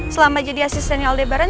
selama jadi asistennya aldebaran